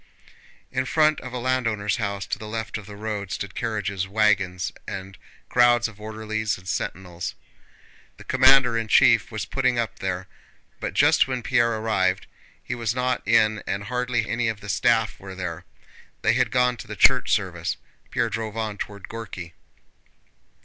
In front of a landowner's house to the left of the road stood carriages, wagons, and crowds of orderlies and sentinels. The commander in chief was putting up there, but just when Pierre arrived he was not in and hardly any of the staff were there—they had gone to the church service. Pierre drove on toward Górki.